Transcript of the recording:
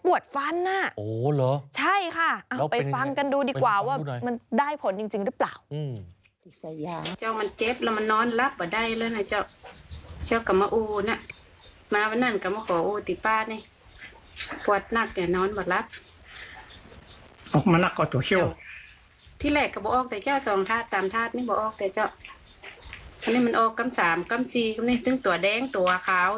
ใช่ค่ะเอาไปฟังกันดูดีกว่าว่ามันได้ผลจริงหรือเปล่า